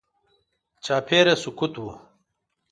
چاپېره سکوت و.